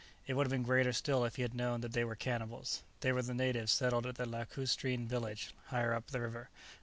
It would have been greater still if he had known that they were cannibals. They were the natives settled at the lacustrine village higher up the river.